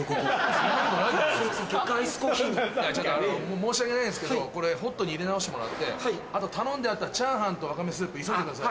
申し訳ないんですけどこれホットに入れ直してもらって頼んであったチャーハンとワカメスープ急いでください。